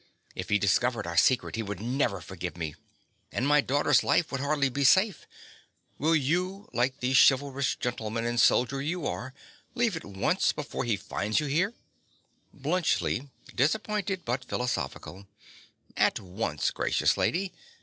If he discovered our secret, he would never forgive me; and my daughter's life would hardly be safe. Will you, like the chivalrous gentleman and soldier you are, leave at once before he finds you here? BLUNTSCHLI. (disappointed, but philosophical). At once, gracious lady.